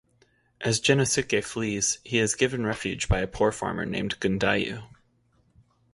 As Gennosuke flees, he is given refuge by a poor farmer named Gundayu.